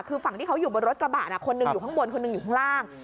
คือฝั่งที่เขาอยู่บนรถกระบะคนหนึ่งอยู่ข้างบนคนหนึ่งอยู่ข้างล่าง